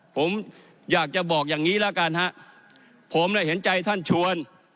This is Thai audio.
ผมอยากจะบอกอย่างนี้แล้วกันฮะผมน่ะเห็นใจท่านชวน